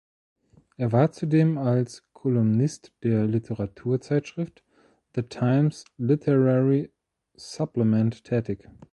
Er war zudem als Kolumnist der Literaturzeitschrift "The Times Literary Supplement" tätig.